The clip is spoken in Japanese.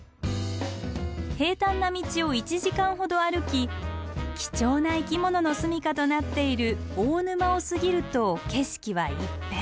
平たんな道を１時間ほど歩き貴重な生き物の住みかとなっている大沼を過ぎると景色は一変。